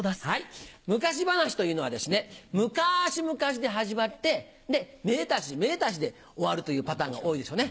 昔話というのはですね「むかしむかし」で始まって「めでたしめでたし」で終わるというパターンが多いですよね。